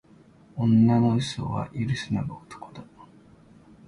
女の嘘は許すのが男だ